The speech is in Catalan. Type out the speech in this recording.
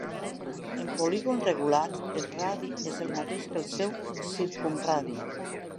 En polígons regulars, el radi és el mateix que el seu circumradi.